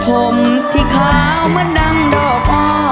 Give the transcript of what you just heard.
ผมที่ขาวเหมือนดังดอกอ้อ